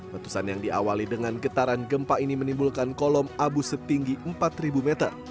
letusan yang diawali dengan getaran gempa ini menimbulkan kolom abu setinggi empat meter